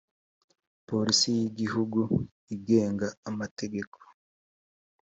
polisi y’ igihugu igenga amategeko.